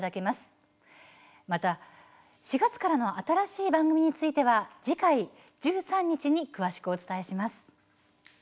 また、４月からの新しい番組については次回、１３日に詳しくお伝えします。